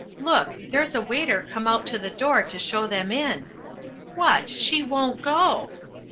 Look, there's a waiter come out to the door to show them in what! she won't go!